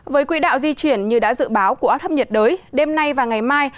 với quỹ đạo di chuyển như đã dự báo của áp thấp nhiệt đới đêm nay và ngày mai